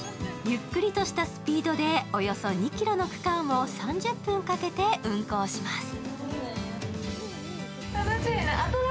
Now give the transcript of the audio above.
ゆっくりとしたスピードでおよそ２ｋｍの区間を３０分かけて運行します。